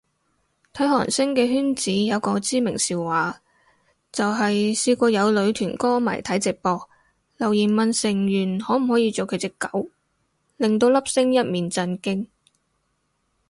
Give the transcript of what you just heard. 睇韓星嘅圈子有個知名笑話，就係試過有女團歌迷睇直播，留言問成員可唔可以做佢隻狗，令到粒星一面震驚